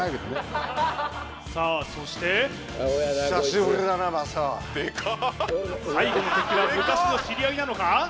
そして最後の敵は昔の知り合いなのか？